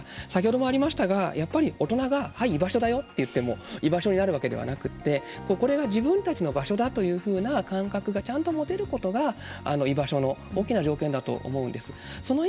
先ほどもありましたがやっぱり、はい、居場所だよと言っても居場所になるわけではなくてこれが自分たちの場所だというふうな感覚がちゃんと持てることが居場所の大きな条件だと思うんです。